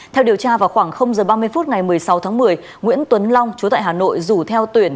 theo điều tra vào khoảng h ba mươi phút ngày một mươi sáu tháng một mươi nguyễn tuấn long chú tại hà nội rủ theo tuyển